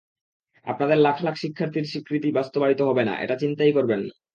আপনাদের লাখ লাখ শিক্ষার্থীর স্বীকৃতি বাস্তবায়িত হবে না, এটা চিন্তাই করবেন না।